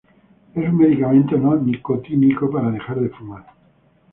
Es un medicamento no nicotínico para dejar de fumar.